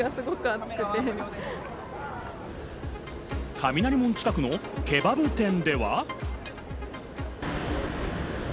雷門近くのケバブ店では。